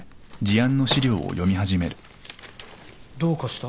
どうかした？